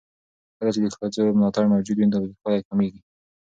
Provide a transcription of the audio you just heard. کله چې د ښځو ملاتړ موجود وي، تاوتريخوالی کمېږي.